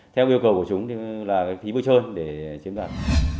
theo yêu cầu của chúng là thí bươi trơn để chiếm đoạt